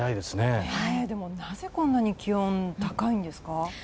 でも、なぜこんなに気温が高いんですか？